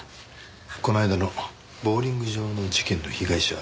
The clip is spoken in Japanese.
この間のボウリング場の事件の被害者